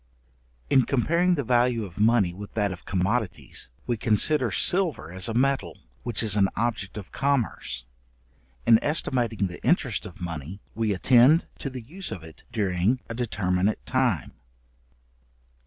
In comparing the value of money with that of commodities, we consider silver as a metal, which is an object of commerce. In estimating the interest of money, we attend to the use of it during a determinate time.